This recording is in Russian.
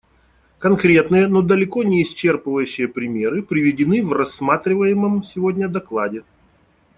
Конкретные, но далеко не исчерпывающие примеры приведены в рассматриваемом сегодня докладе.